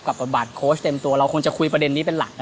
บทบาทโค้ชเต็มตัวเราคงจะคุยประเด็นนี้เป็นหลัก